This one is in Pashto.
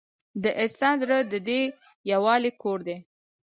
د انسان زړه د دې یووالي کور دی.